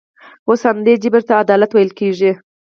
اوس همدې جبر ته عدالت ویل کېږي.